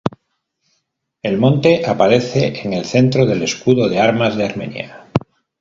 El monte aparece en el centro del Escudo de armas de Armenia.